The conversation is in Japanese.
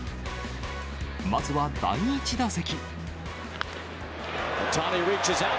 まずは第１打席。